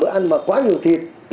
bữa ăn mà quá nhiều thịt